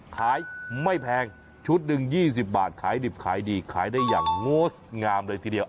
ขายไม่แพงชุดหนึ่ง๒๐บาทขายดิบขายดีขายได้อย่างโงสงามเลยทีเดียว